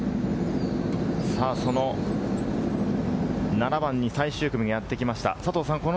７番に最終組がやってきました。